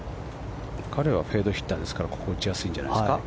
彼はフェードヒッターだからここは打ちやすいんじゃないですか？